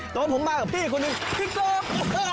ตอนนี้ผมมากับพี่คนนึงพี่เติม